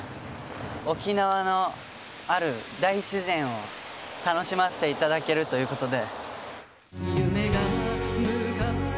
沖縄のある大自然を楽しませていただけるということで。